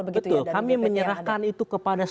betul kami menyerahkan itu kepada